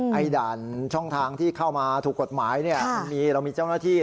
ด่านช่องทางที่เข้ามาถูกกฎหมายมันมีเรามีเจ้าหน้าที่